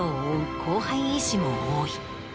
後輩医師も多い。